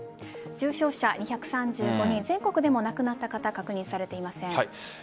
重症者、２３５人全国でも亡くなった方確認されていません。